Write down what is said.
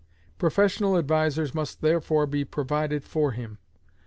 Professional advisers must therefore be provided for him.